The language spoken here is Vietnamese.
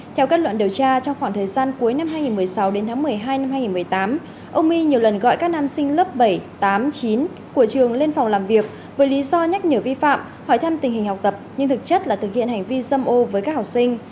theo kết luận điều tra trong khoảng thời gian cuối năm hai nghìn một mươi sáu đến tháng một mươi hai năm hai nghìn một mươi tám ông my nhiều lần gọi các nam sinh lớp bảy tám chín của trường lên phòng làm việc với lý do nhắc nhở vi phạm hỏi thăm tình hình học tập nhưng thực chất là thực hiện hành vi dâm ô với các học sinh